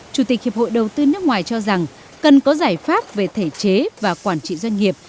chủ tịch hiệp hội đầu tư nước ngoài cho rằng cần có giải pháp về thể chế và quản trị doanh nghiệp